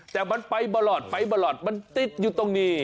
แต่มันไปบรอดไปบรอดมันติดอยู่ตรงนี้